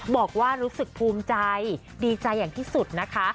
บอกว่ารู้สึกภูมิใจดีใจอย่างที่สุดนะคะ